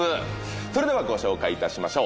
それではご紹介いたしましょう。